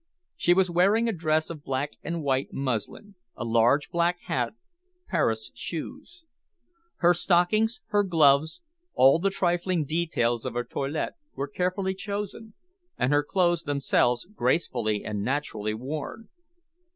She was wearing a dress of black and white muslin, a large black hat, Paris shoes. Her stockings, her gloves, all the trifling details of her toilette, were carefully chosen, and her clothes themselves gracefully and naturally worn.